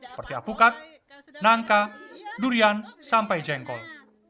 seperti alpukat nangka durian sampai jengkol